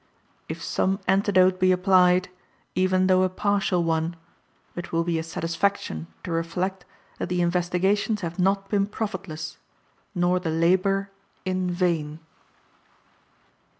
If some antidote be applied, even though a partial one, it will be a satisfaction to reflect that the investigations have not been profitless, nor the labor in vain.